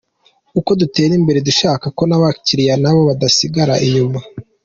Uko dutera imbere, dushaka ko n’abakiliya nabo badasigara inyuma.